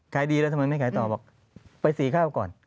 ขายดีแล้วทำไมไม่ขายต่อบอกไปสีข้าวก่อน